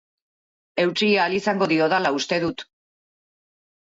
Eutsi ahal izango diodala uste dut.